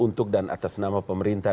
untuk dan atas nama pemerintah